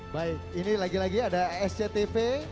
baik ini lagi lagi ada sctv